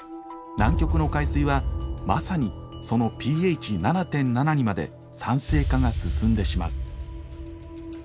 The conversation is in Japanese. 南極の海水はまさにそのｐＨ７．７にまで酸性化が進んでしまう。